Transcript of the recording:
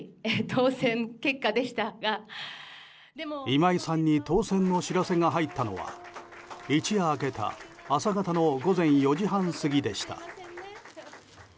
今井さんに当選の知らせが入ったのは一夜明けた朝方の午前４時半過ぎでした。